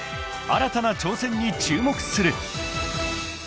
［新たな挑戦に注目する］